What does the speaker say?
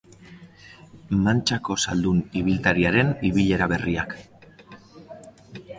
Mantxako zaldun ibiltariaren ibilera berriak.